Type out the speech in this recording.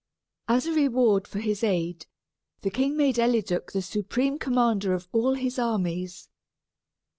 As a reward for his aid, the king made Eliduc the supreme commander of all his armies.